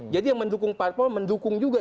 jadi yang mendukung parpol mendukung juga